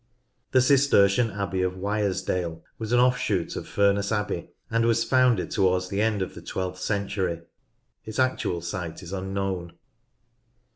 The Cistercian Abbey of Wyresdale was an offshoot of Furness Abbey, and was founded towards the end of the twelfth century. Its actual site is unknown.